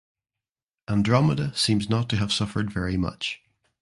Andromeda seems not to have suffered very much.